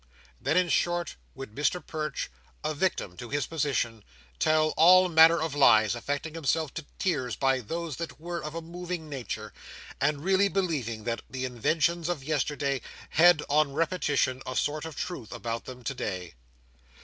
Then, in short, would Mr Perch, a victim to his position, tell all manner of lies; affecting himself to tears by those that were of a moving nature, and really believing that the inventions of yesterday had, on repetition, a sort of truth about them today.